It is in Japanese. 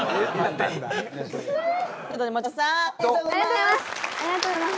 おめでとうございます。